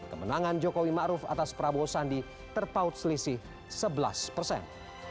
kemenangan jokowi ma'ruf atas prabowo sandi terpaut selisih sebelas persen